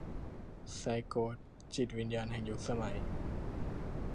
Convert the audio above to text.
ไซท์ไกสท์ - จิตวิญญาณแห่งยุคสมัย